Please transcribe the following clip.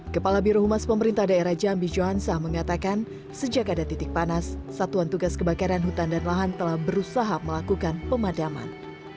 kepala birohumas pemerintah daerah jambi johansa mengatakan sejak ada titik panas satuan tugas kebakaran hutan dan lahan telah berusaha melakukan pemadaman